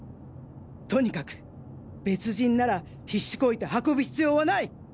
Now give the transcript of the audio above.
とにかく別人なら必死こいて運ぶ必要はない！